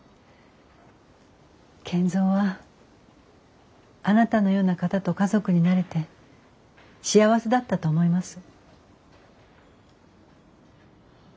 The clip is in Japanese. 賢三はあなたのような方と家族になれて幸せだったと思います。